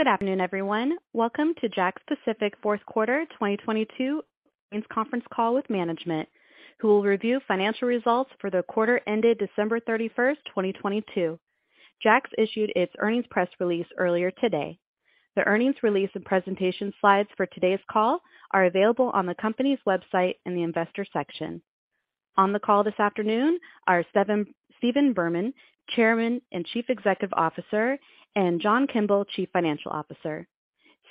Good afternoon, everyone. Welcome to JAKKS Pacific fourth quarter 2022 earnings conference call with management, who will review financial results for the quarter ended December 31st, 2022. JAKKS issued its earnings press release earlier today. The earnings release and presentation slides for today's call are available on the company's website in the Investor section. On the call this afternoon are Stephen Berman, Chairman and Chief Executive Officer, and John Kimble, Chief Financial Officer.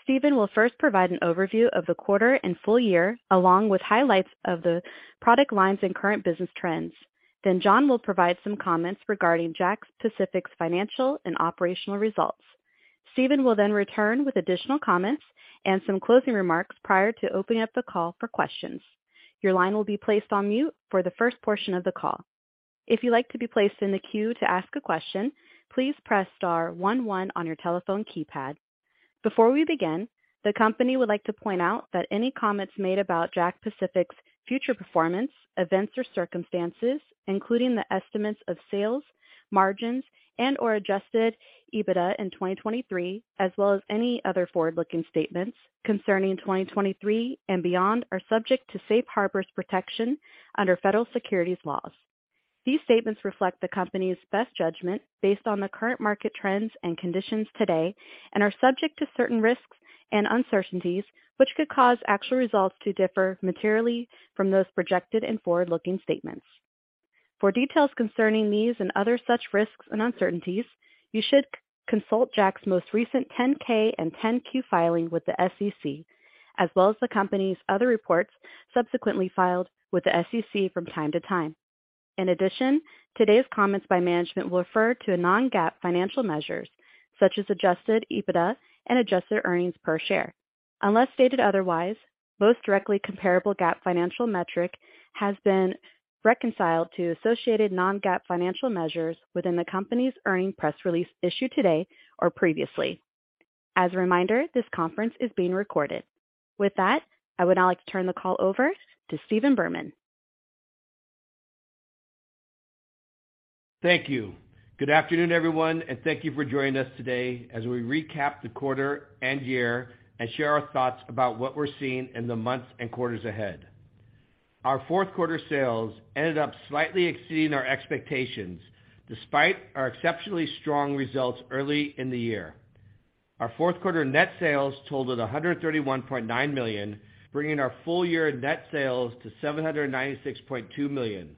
Stephen will first provide an overview of the quarter and full year, along with highlights of the product lines and current business trends. John will provide some comments regarding JAKKS Pacific's financial and operational results. Stephen will then return with additional comments and some closing remarks prior to opening up the call for questions. Your line will be placed on mute for the first portion of the call. If you'd like to be placed in the queue to ask a question, please press star one one on your telephone keypad. Before we begin, the company would like to point out that any comments made about JAKKS Pacific's future performance, events or circumstances, including the estimates of sales, margins, and/or adjusted EBITDA in 2023, as well as any other forward-looking statements concerning 2023 and beyond, are subject to safe harbors protection under federal securities laws. These statements reflect the company's best judgment based on the current market trends and conditions today and are subject to certain risks and uncertainties, which could cause actual results to differ materially from those projected in forward-looking statements. For details concerning these and other such risks and uncertainties, you should consult JAKKS' most recent 10-K and 10-Q filing with the SEC, as well as the company's other reports subsequently filed with the SEC from time to time. In addition, today's comments by management will refer to non-GAAP financial measures such as adjusted EBITDA and adjusted earnings per share. Unless stated otherwise, most directly comparable GAAP financial metric has been reconciled to associated non-GAAP financial measures within the company's earnings press release issued today or previously. As a reminder, this conference is being recorded. With that, I would now like to turn the call over to Stephen Berman. Thank you. Good afternoon, everyone, and thank you for joining us today as we recap the quarter and year and share our thoughts about what we're seeing in the months and quarters ahead. Our fourth quarter sales ended up slightly exceeding our expectations, despite our exceptionally strong results early in the year. Our fourth quarter net sales totaled $131.9 million, bringing our full-year net sales to $796.2 million,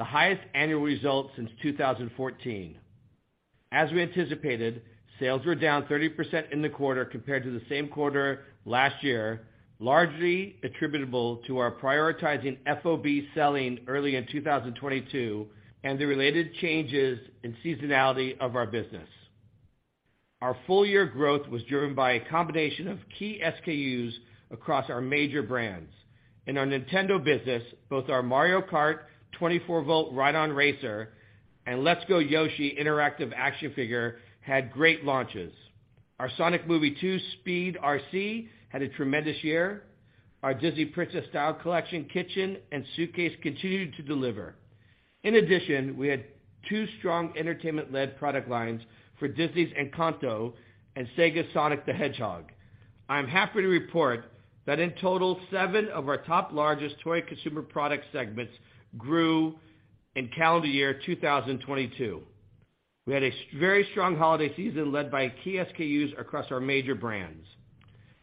the highest annual result since 2014. As we anticipated, sales were down 30% in the quarter compared to the same quarter last year, largely attributable to our prioritizing FOB selling early in 2022 and the related changes in seasonality of our business. Our full-year growth was driven by a combination of key SKUs across our major brands. In our Nintendo business, both our Mario Kart 24V Ride-On Racer and Let's Go, Yoshi! interactive action figure had great launches. Our Sonic Movie 2 Speed RC had a tremendous year. Our Disney Princess Style Collection Kitchen and Suitcase continued to deliver. In addition, we had two strong entertainment-led product lines for Disney's Encanto and Sega Sonic the Hedgehog. I'm happy to report that in total, seven of our top largest toy consumer product segments grew in calendar year 2022. We had a very strong holiday season led by key SKUs across our major brands.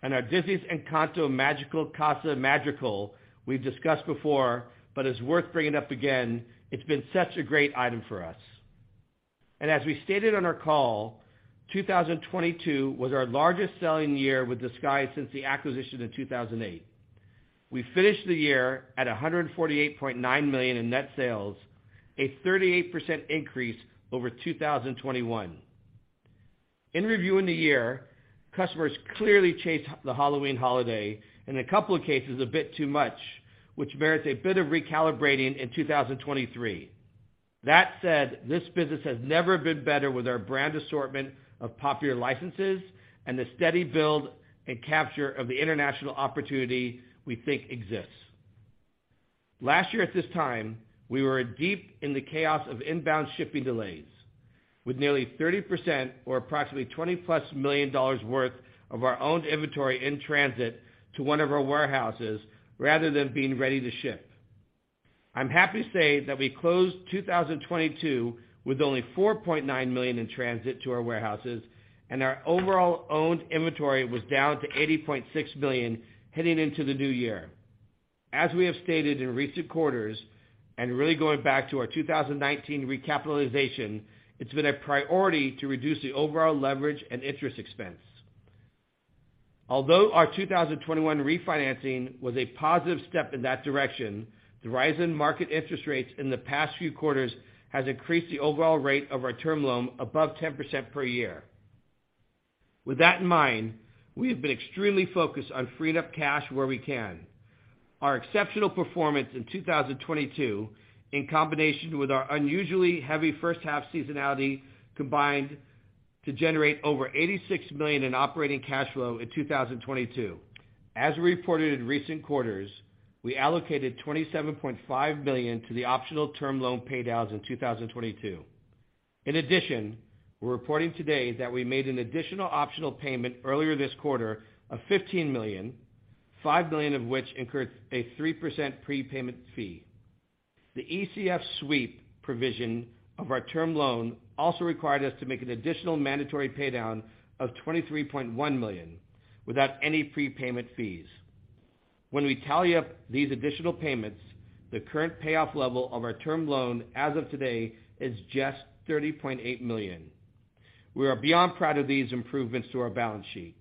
Our Disney's Encanto Magical Casa Madrigal we've discussed before, but it's worth bringing up again. It's been such a great item for us. As we stated on our call, 2022 was our largest selling year with Disguise since the acquisition in 2008. We finished the year at $148.9 million in net sales, a 38% increase over 2021. In reviewing the year, customers clearly chased the Halloween holiday, in a couple of cases, a bit too much, which merits a bit of recalibrating in 2023. This business has never been better with our brand assortment of popular licenses and the steady build and capture of the international opportunity we think exists. Last year at this time, we were deep in the chaos of inbound shipping delays with nearly 30% or approximately $20+ million worth of our own inventory in transit to one of our warehouses rather than being ready to ship. I'm happy to say that we closed 2022 with only $4.9 million in transit to our warehouses, and our overall owned inventory was down to $80.6 million heading into the new year. As we have stated in recent quarters, and really going back to our 2019 recapitalization, it's been a priority to reduce the overall leverage and interest expense. Although our 2021 refinancing was a positive step in that direction, the rise in market interest rates in the past few quarters has increased the overall rate of our term loan above 10% per year. With that in mind, we have been extremely focused on freed up cash where we can. Our exceptional performance in 2022, in combination with our unusually heavy first half seasonality, combined to generate over $86 million in operating cash flow in 2022. As we reported in recent quarters, we allocated $27.5 million to the optional term loan paydowns in 2022. In addition, we're reporting today that we made an additional optional payment earlier this quarter of $15 million, $5 million of which incurred a 3% prepayment fee. The ECF sweep provision of our term loan also required us to make an additional mandatory paydown of $23.1 million without any prepayment fees. When we tally up these additional payments, the current payoff level of our term loan as of today is just $30.8 million. We are beyond proud of these improvements to our balance sheet.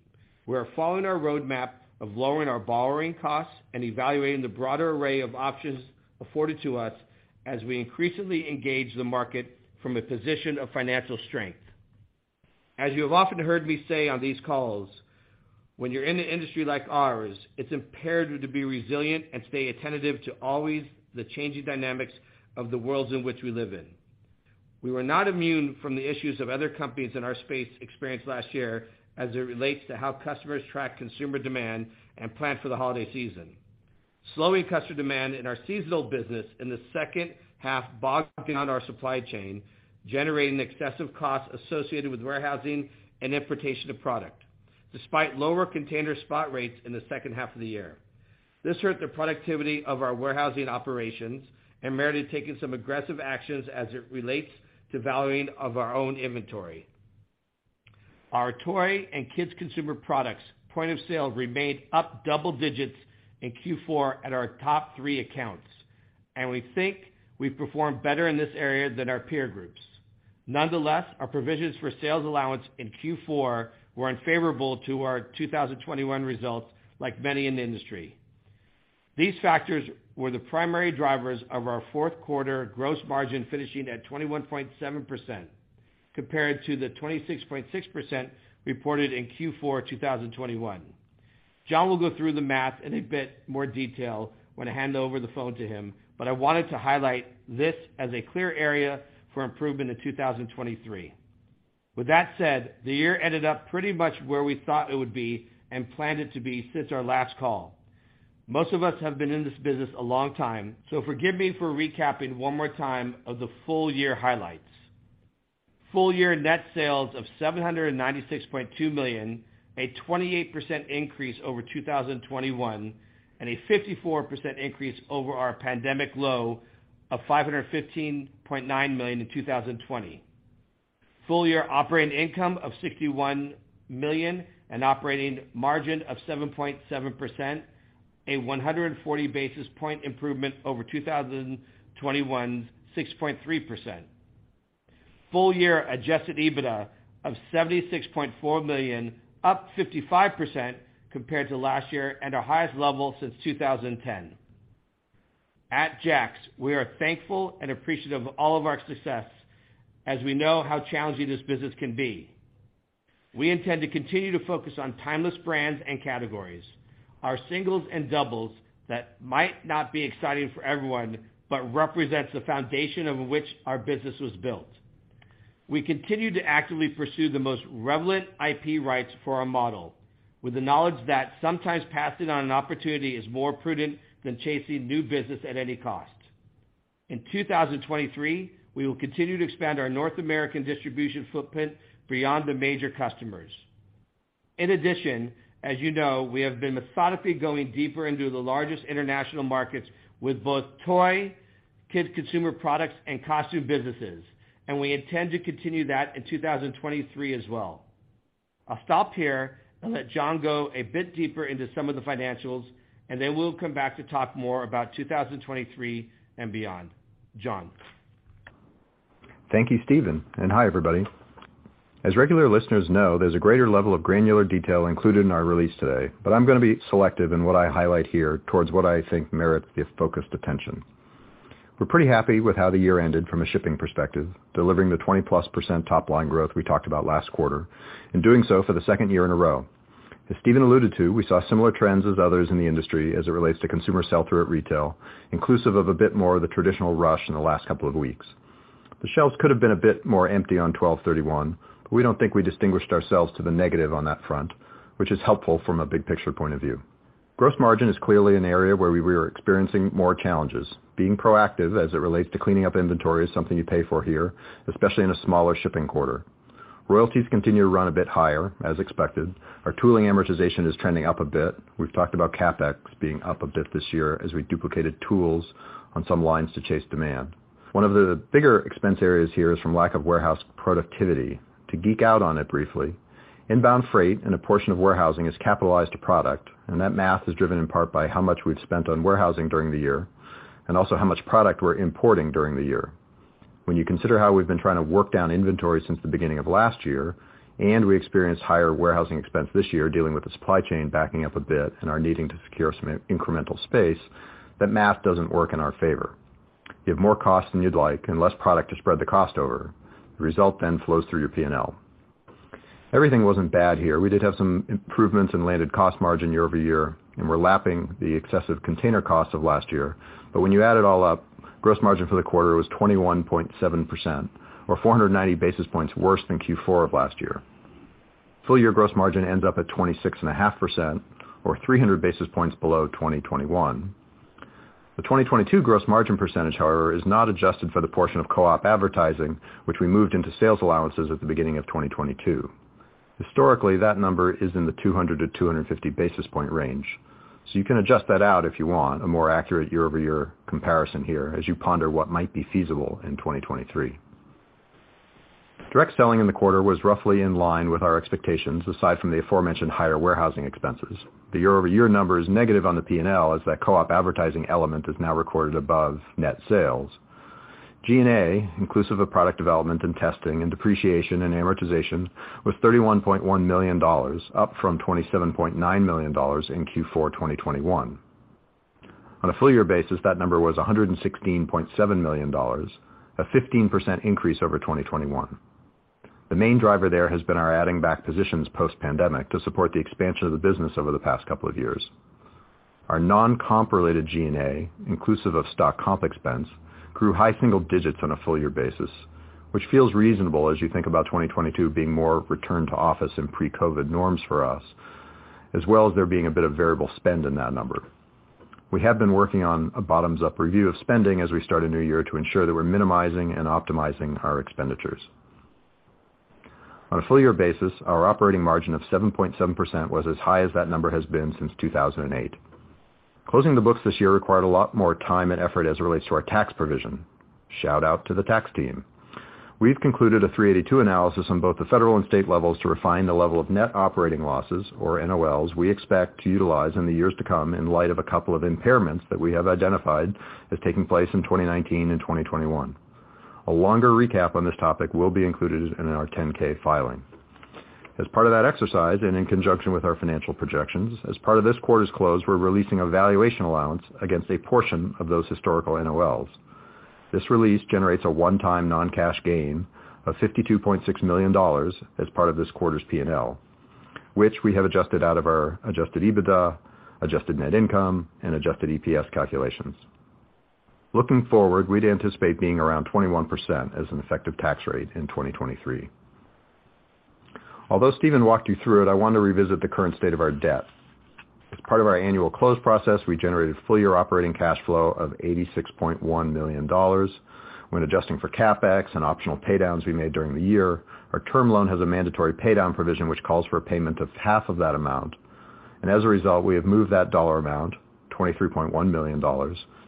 We are following our roadmap of lowering our borrowing costs and evaluating the broader array of options afforded to us as we increasingly engage the market from a position of financial strength. As you have often heard me say on these calls, when you're in an industry like ours, it's imperative to be resilient and stay attentive to always the changing dynamics of the worlds in which we live in. We were not immune from the issues of other companies in our space experienced last year as it relates to how customers track consumer demand and plan for the holiday season. Slowing customer demand in our seasonal business in the second half bogging on our supply chain, generating excessive costs associated with warehousing and importation of product, despite lower container spot rates in the second half of the year. This hurt the productivity of our warehousing operations and merited taking some aggressive actions as it relates to valuing of our own inventory. Our toy and kids consumer products point of sale remained up double digits in Q4 at our top three accounts, and we think we performed better in this area than our peer groups. Nonetheless, our provisions for sales allowance in Q4 were unfavorable to our 2021 results, like many in the industry. These factors were the primary drivers of our fourth quarter gross margin, finishing at 21.7% compared to the 26.6% reported in Q4 2021. John will go through the math in a bit more detail when I hand over the phone to him, but I wanted to highlight this as a clear area for improvement in 2023. With that said, the year ended up pretty much where we thought it would be and planned it to be since our last call. Most of us have been in this business a long time. Forgive me for recapping one more time of the full year highlights. Full year net sales of $796.2 million, a 28% increase over 2021, a 54% increase over our pandemic low of $515.9 million in 2020. Full year operating income of $61 million, operating margin of 7.7%, a 140 basis point improvement over 2021's 6.3%. Full year adjusted EBITDA of $76.4 million, up 55% compared to last year and our highest level since 2010. At JAKKS, we are thankful and appreciative of all of our success as we know how challenging this business can be. We intend to continue to focus on timeless brands and categories. Our singles and doubles that might not be exciting for everyone, but represents the foundation of which our business was built. We continue to actively pursue the most relevant IP rights for our model with the knowledge that sometimes passing on an opportunity is more prudent than chasing new business at any cost. In 2023, we will continue to expand our North American distribution footprint beyond the major customers. As you know, we have been methodically going deeper into the largest international markets with both toy, kids consumer products, and costume businesses, and we intend to continue that in 2023 as well. I'll stop here and let John go a bit deeper into some of the financials, and then we'll come back to talk more about 2023 and beyond. John? Thank you, Stephen, hi, everybody. As regular listeners know, there's a greater level of granular detail included in our release today, I'm gonna be selective in what I highlight here towards what I think merits your focused attention. We're pretty happy with how the year ended from a shipping perspective, delivering the 20%+ top-line growth we talked about last quarter, doing so for the second year in a row. As Stephen alluded to, we saw similar trends as others in the industry as it relates to consumer sell-through at retail, inclusive of a bit more of the traditional rush in the last couple of weeks. The shelves could have been a bit more empty on 12/31, we don't think we distinguished ourselves to the negative on that front, which is helpful from a big picture point of view. Gross margin is clearly an area where we were experiencing more challenges. Being proactive as it relates to cleaning up inventory is something you pay for here, especially in a smaller shipping quarter. Royalties continue to run a bit higher as expected. Our tooling amortization is trending up a bit. We've talked about CapEx being up a bit this year as we duplicated tools on some lines to chase demand. One of the bigger expense areas here is from lack of warehouse productivity. To geek out on it briefly, inbound freight and a portion of warehousing is capitalized to product, and that math is driven in part by how much we've spent on warehousing during the year, and also how much product we're importing during the year. When you consider how we've been trying to work down inventory since the beginning of last year, and we experienced higher warehousing expense this year dealing with the supply chain backing up a bit and are needing to secure some incremental space, that math doesn't work in our favor. You have more costs than you'd like and less product to spread the cost over. The result then flows through your P&L. Everything wasn't bad here. We did have some improvements in landed cost margin year-over-year, and we're lapping the excessive container costs of last year. When you add it all up-Gross margin for the quarter was 21.7% or 490 basis points worse than Q4 of last year. Full year gross margin ends up at 26.5% or 300 basis points below 2021. The 2022 gross margin percentage, however, is not adjusted for the portion of co-op advertising which we moved into sales allowances at the beginning of 2022. Historically, that number is in the 200-250 basis point range, you can adjust that out if you want a more accurate year-over-year comparison here as you ponder what might be feasible in 2023. Direct selling in the quarter was roughly in line with our expectations aside from the aforementioned higher warehousing expenses. The year-over-year number is negative on the P&L as that co-op advertising element is now recorded above net sales. G&A, inclusive of product development and testing and depreciation and amortization, was $31.1 million, up from $27.9 million in Q4 2021. On a full year basis, that number was $116.7 million, a 15% increase over 2021. The main driver there has been our adding back positions post-pandemic to support the expansion of the business over the past couple of years. Our non-comp related G&A, inclusive of stock comp expense, grew high single digits on a full year basis, which feels reasonable as you think about 2022 being more return to office and pre-COVID norms for us, as well as there being a bit of variable spend in that number. We have been working on a bottoms-up review of spending as we start a new year to ensure that we're minimizing and optimizing our expenditures. On a full year basis, our operating margin of 7.7% was as high as that number has been since 2008. Closing the books this year required a lot more time and effort as it relates to our tax provision. Shout out to the tax team. We've concluded a Section 382 analysis on both the federal and state levels to refine the level of Net Operating Losses or NOLs we expect to utilize in the years to come in light of a couple of impairments that we have identified as taking place in 2019 and 2021. A longer recap on this topic will be included in our 10-K filing. As part of that exercise and in conjunction with our financial projections, as part of this quarter's close, we're releasing a valuation allowance against a portion of those historical NOLs. This release generates a one-time non-cash gain of $52.6 million as part of this quarter's P&L, which we have adjusted out of our adjusted EBITDA, adjusted net income, and adjusted EPS calculations. Looking forward, we'd anticipate being around 21% as an effective tax rate in 2023. Although Stephen walked you through it, I want to revisit the current state of our debt. As part of our annual close process, we generated full year operating cash flow of $86.1 million when adjusting for CapEx and optional paydowns we made during the year. Our term loan has a mandatory paydown provision which calls for a payment of half of that amount. As a result, we have moved that dollar amount, $23.1 million,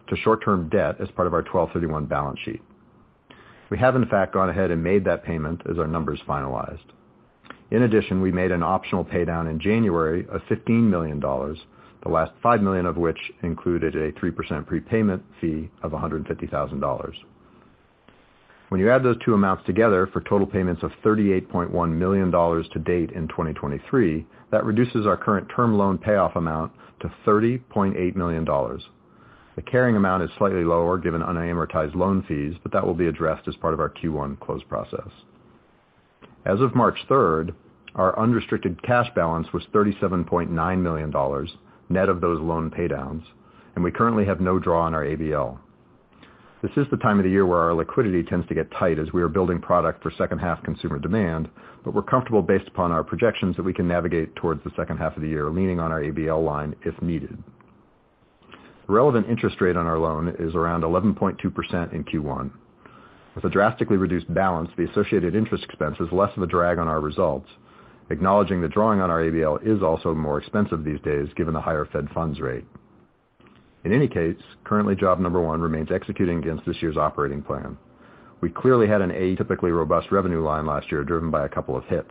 to short-term debt as part of our 12/31 balance sheet. We have in fact gone ahead and made that payment as our numbers finalized. In addition, we made an optional paydown in January of $15 million, the last $5 million of which included a 3% prepayment fee of $150,000. When you add those two amounts together for total payments of $38.1 million to date in 2023, that reduces our current term loan payoff amount to $30.8 million. The carrying amount is slightly lower given unamortized loan fees, but that will be addressed as part of our Q1 close process. As of March 3rd, our unrestricted cash balance was $37.9 million net of those loan paydowns, and we currently have no draw on our ABL. This is the time of the year where our liquidity tends to get tight as we are building product for second half consumer demand. We're comfortable based upon our projections that we can navigate towards the second half of the year, leaning on our ABL line if needed. The relevant interest rate on our loan is around 11.2% in Q1. With a drastically reduced balance, the associated interest expense is less of a drag on our results. Acknowledging that drawing on our ABL is also more expensive these days given the higher federal funds rate. In any case, currently job number one remains executing against this year's operating plan. We clearly had an atypically robust revenue line last year driven by a couple of hits.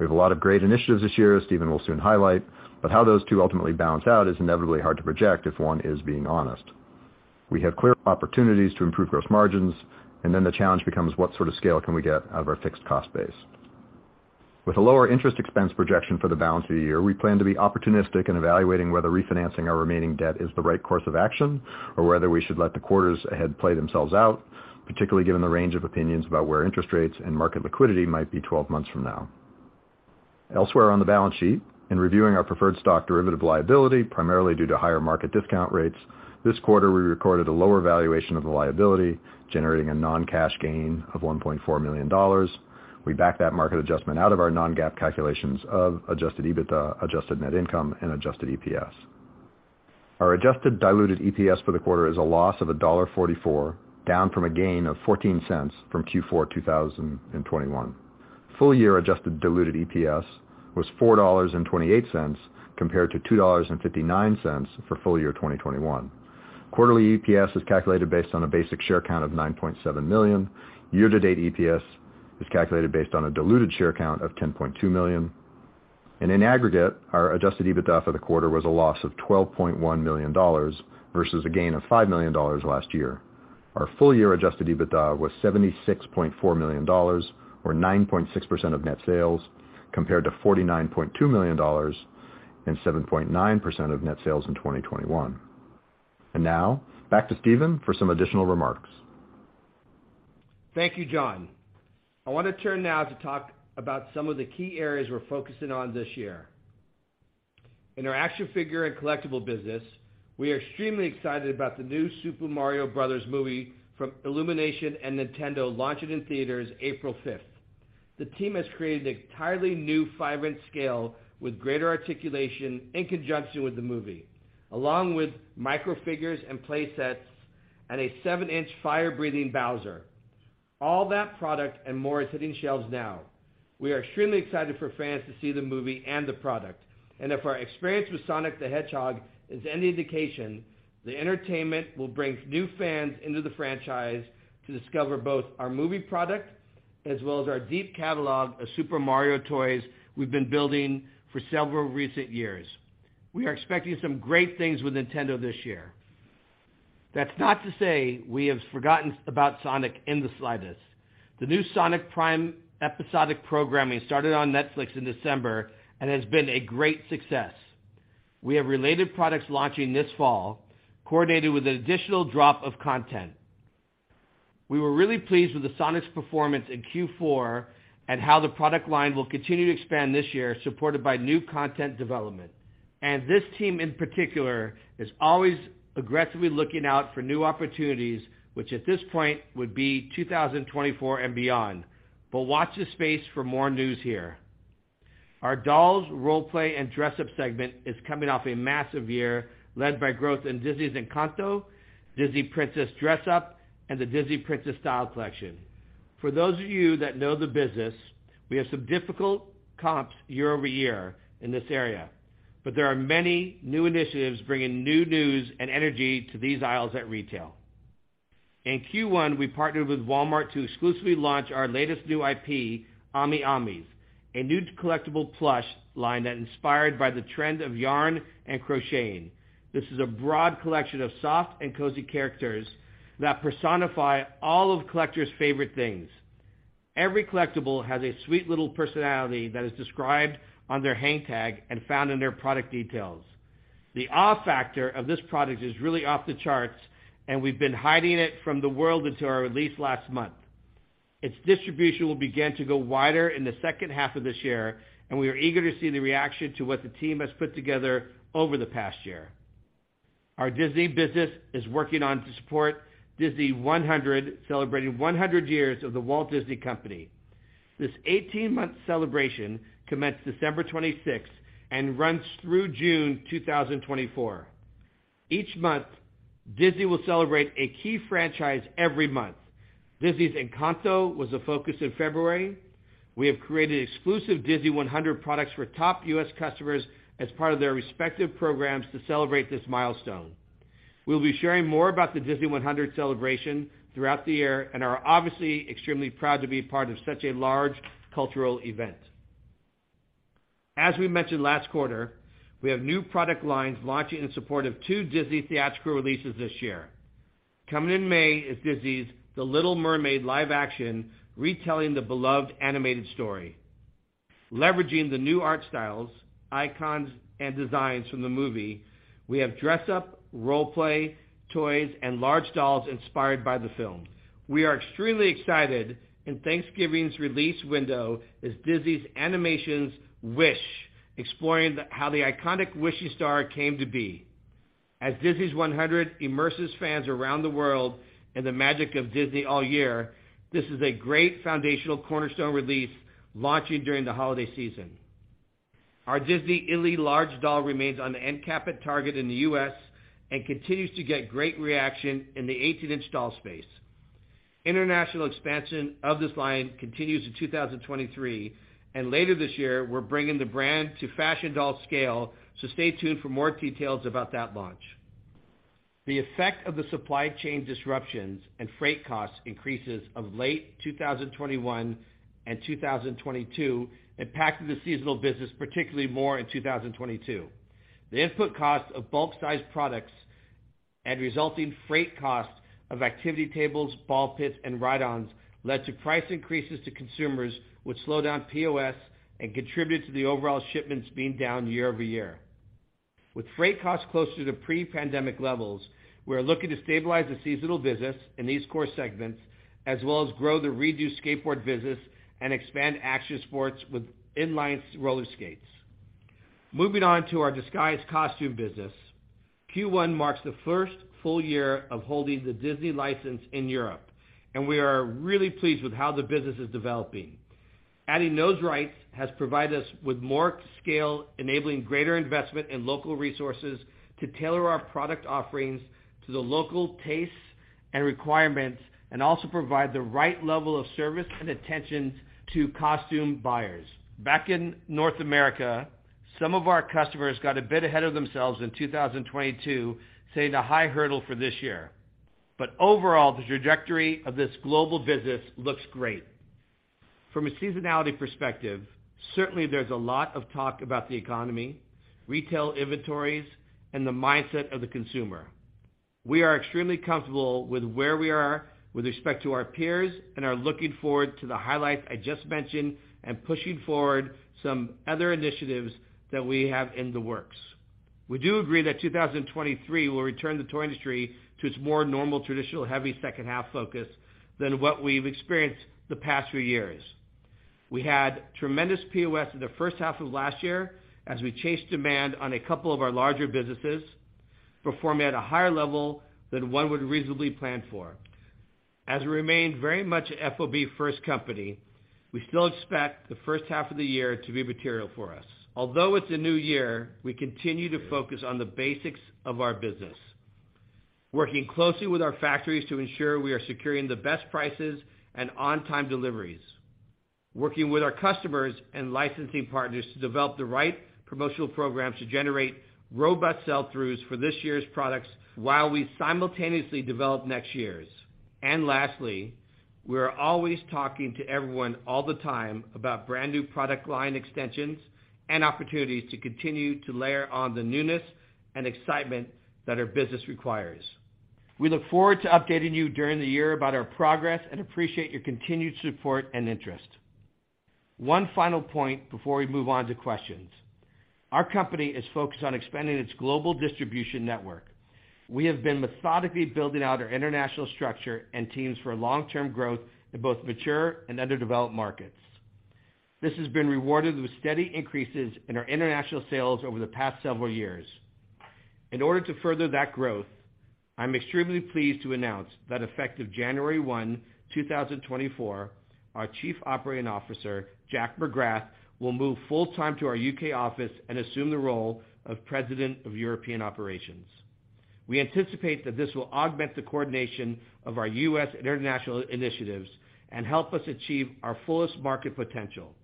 We have a lot of great initiatives this year, as Stephen will soon highlight, but how those two ultimately balance out is inevitably hard to project if one is being honest. We have clear opportunities to improve gross margins, and then the challenge becomes what sort of scale can we get out of our fixed cost base. With a lower interest expense projection for the balance of the year, we plan to be opportunistic in evaluating whether refinancing our remaining debt is the right course of action or whether we should let the quarters ahead play themselves out, particularly given the range of opinions about where interest rates and market liquidity might be 12 months from now. Elsewhere on the balance sheet, in reviewing our preferred stock derivative liability, primarily due to higher market discount rates, this quarter we recorded a lower valuation of the liability, generating a non-cash gain of $1.4 million. We backed that market adjustment out of our non-GAAP calculations of adjusted EBITDA, adjusted net income, and adjusted EPS. Our adjusted diluted EPS for the quarter is a loss of $1.44, down from a gain of $0.14 from Q4 2021. Full year adjusted diluted EPS was $4.28 compared to $2.59 for full year 2021. Quarterly EPS is calculated based on a basic share count of 9.7 million. Year-to-date EPS is calculated based on a diluted share count of 10.2 million. In aggregate, our adjusted EBITDA for the quarter was a loss of $12.1 million versus a gain of $5 million last year. Our full year adjusted EBITDA was $76.4 million or 9.6% of net sales, compared to $49.2 million and 7.9% of net sales in 2021. Now, back to Stephen for some additional remarks. Thank you, John. I want to turn now to talk about some of the key areas we're focusing on this year. In our action figure and collectible business, we are extremely excited about the new Super Mario Bros. Movie from Illumination and Nintendo launching in theaters April 5th. The team has created an entirely new five-inch scale with greater articulation in conjunction with the movie, along with micro figures and playsets, and a seven-inch fire-breathing Bowser. All that product and more is hitting shelves now. We are extremely excited for fans to see the movie and the product. If our experience with Sonic the Hedgehog is any indication, the entertainment will bring new fans into the franchise to discover both our movie product as well as our deep catalog of Super Mario toys we've been building for several recent years. We are expecting some great things with Nintendo this year. That's not to say we have forgotten about Sonic in the slightest. The new Sonic Prime episodic programming started on Netflix in December and has been a great success. We have related products launching this fall, coordinated with an additional drop of content. We were really pleased with the Sonic's performance in Q4 and how the product line will continue to expand this year, supported by new content development. This team in particular is always aggressively looking out for new opportunities, which at this point would be 2024 and beyond. Watch this space for more news here. Our dolls, role play, and dress up segment is coming off a massive year led by growth in Disney's Encanto, Disney Princess Dress Up, and the Disney Princess Style Collection. For those of you that know the business, we have some difficult comps year-over-year in this area, but there are many new initiatives bringing new news and energy to these aisles at retail. In Q1, we partnered with Walmart to exclusively launch our latest new IP, Ami Amis, a new collectible plush line that's inspired by the trend of yarn and crocheting. This is a broad collection of soft and cozy characters that personify all of collectors' favorite things. Every collectible has a sweet little personality that is described on their hang tag and found in their product details. The awe factor of this product is really off the charts, and we've been hiding it from the world until our release last month. Its distribution will begin to go wider in the second half of this year, and we are eager to see the reaction to what the team has put together over the past year. Our Disney business is working on to support Disney100, celebrating 100 years of the Walt Disney Company. This 18-month celebration commenced December 26th and runs through June 2024. Each month, Disney will celebrate a key franchise every month. Disney's Encanto was the focus in February. We have created exclusive Disney100 products for top U.S. customers as part of their respective programs to celebrate this milestone. We'll be sharing more about the Disney100 celebration throughout the year and are obviously extremely proud to be part of such a large cultural event. As we mentioned last quarter, we have new product lines launching in support of two Disney theatrical releases this year. Coming in May is Disney's The Little Mermaid live-action, retelling the beloved animated story. Leveraging the new art styles, icons, and designs from the movie, we have dress up, role play, toys, and large dolls inspired by the film. We are extremely excited in Thanksgiving's release window is Disney's Animations' Wish, exploring how the iconic Wishing Star came to be. As Disney100 immerses fans around the world in the magic of Disney all year, this is a great foundational cornerstone release launching during the holiday season. Our Disney Ily large doll remains on the end cap at Target in the U.S. and continues to get great reaction in the 18-inch doll space. International expansion of this line continues in 2023. Later this year, we're bringing the brand to fashion doll scale. Stay tuned for more details about that launch. The effect of the supply chain disruptions and freight cost increases of late 2021 and 2022 impacted the seasonal business, particularly more in 2022. The input cost of bulk sized products and resulting freight costs of activity tables, ball pits, and ride-ons led to price increases to consumers, which slowed down POS and contributed to the overall shipments being down year-over-year. With freight costs closer to pre-pandemic levels, we are looking to stabilize the seasonal business in these core segments, as well as grow the reduced skateboard business and expand action sports with in-line roller skates. Moving on to our Disguise costume business. Q1 marks the first full year of holding the Disney license in Europe, and we are really pleased with how the business is developing. Adding those rights has provided us with more scale, enabling greater investment in local resources to tailor our product offerings to the local tastes and requirements, and also provide the right level of service and attention to costume buyers. Back in North America, some of our customers got a bit ahead of themselves in 2022, setting a high hurdle for this year. Overall, the trajectory of this global business looks great. From a seasonality perspective, certainly, there's a lot of talk about the economy, retail inventories, and the mindset of the consumer. We are extremely comfortable with where we are with respect to our peers and are looking forward to the highlights I just mentioned and pushing forward some other initiatives that we have in the works. We do agree that 2023 will return the toy industry to its more normal, traditional, heavy second half focus than what we've experienced the past few years. We had tremendous POS in the first half of last year as we chased demand on a couple of our larger businesses, performing at a higher level than one would reasonably plan for. As we remain very much FOB first company, we still expect the first half of the year to be material for us. Although it's a new year, we continue to focus on the basics of our business. Working closely with our factories to ensure we are securing the best prices and on-time deliveries. Working with our customers and licensing partners to develop the right promotional programs to generate robust sell-throughs for this year's products while we simultaneously develop next year's. Lastly, we are always talking to everyone all the time about brand-new product line extensions and opportunities to continue to layer on the newness and excitement that our business requires. We look forward to updating you during the year about our progress. We appreciate your continued support and interest. One final point before we move on to questions. Our company is focused on expanding its global distribution network. We have been methodically building out our international structure and teams for long-term growth in both mature and underdeveloped markets. This has been rewarded with steady increases in our international sales over the past several years. In order to further that growth, I'm extremely pleased to announce that effective January 1, 2024, our Chief Operating Officer, Jack McGrath, will move full-time to our U.K. office and assume the role of President of European Operations. We anticipate that this will augment the coordination of our U.S. and international initiatives and help us achieve our fullest market potential.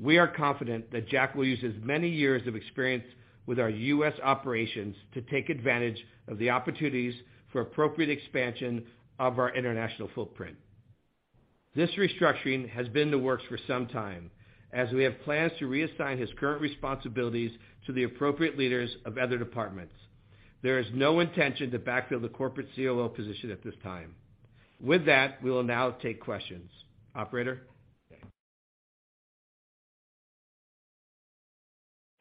We are confident that Jack will use his many years of experience with our U.S. operations to take advantage of the opportunities for appropriate expansion of our international footprint. This restructuring has been in the works for some time, as we have plans to reassign his current responsibilities to the appropriate leaders of other departments. There is no intention to backfill the corporate COO position at this time. With that, we will now take questions. Operator?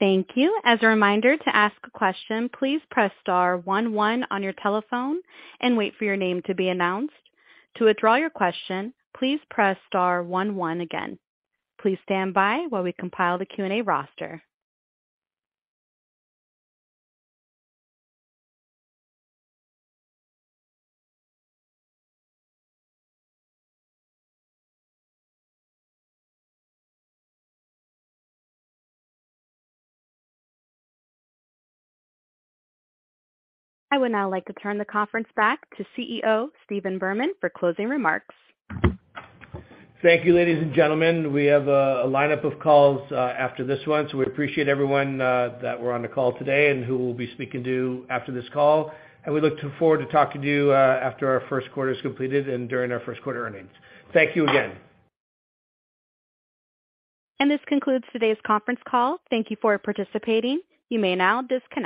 Thank you. As a reminder, to ask a question, please press star one one on your telephone and wait for your name to be announced. To withdraw your question, please press star one one again. Please stand by while we compile the Q&A roster. I would now like to turn the conference back to CEO Stephen Berman for closing remarks. Thank you, ladies and gentlemen. We have a lineup of calls after this one, so we appreciate everyone that were on the call today and who we'll be speaking to after this call. We look to forward to talking to you after our first quarter is completed and during our first quarter earnings. Thank you again. This concludes today's conference call. Thank you for participating. You may now disconnect.